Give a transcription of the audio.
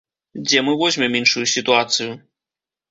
Дзе мы возьмем іншую сітуацыю?